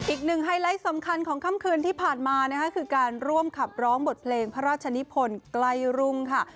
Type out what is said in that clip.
ไฮไลท์สำคัญของค่ำคืนที่ผ่านมานะคะคือการร่วมขับร้องบทเพลงพระราชนิพลใกล้รุ่งค่ะ